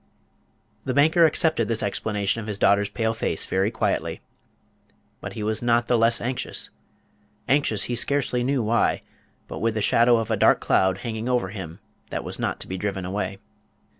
The banker accepted this explanation of his daughter's pale face very quietly; but he was not the less anxious anxious he scarcely knew why, but with the shadow of a dark cloud hanging over him that was not to be driven away.